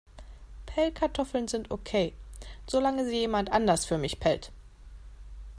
Pellkartoffeln sind okay, solange sie jemand anders für mich pellt.